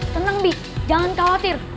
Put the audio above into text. tenang bi jangan khawatir